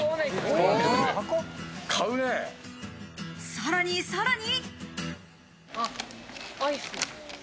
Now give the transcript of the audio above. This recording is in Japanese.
さらに、さらに。